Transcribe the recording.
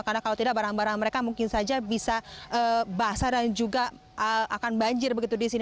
karena kalau tidak barang barang mereka mungkin saja bisa basah dan juga akan banjir begitu di sini